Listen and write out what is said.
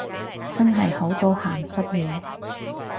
真係好多鹹濕嘢